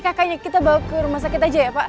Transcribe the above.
saya kakay forget kita bawa ke rumah sakit aja ya pak